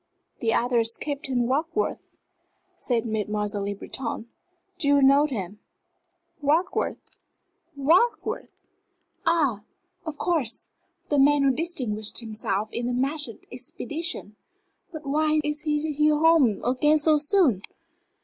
"The other is Captain Warkworth," said Mademoiselle Le Breton. "Do you know him?" "Warkworth Warkworth? Ah of course the man who distinguished himself in the Mahsud expedition. But why is he home again so soon?"